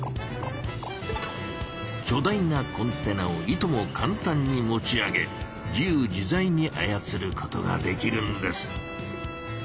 きょ大なコンテナをいとも簡単に持ち上げ自由自ざいにあやつることができるんです。